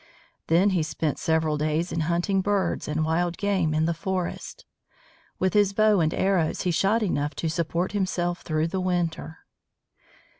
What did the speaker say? Then he spent several days in hunting birds and wild game in the forest. With his bow and arrows he shot enough to support himself through the winter.